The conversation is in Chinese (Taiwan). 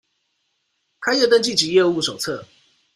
開業登記及業務手冊